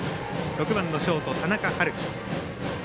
６番のショート、田中春樹。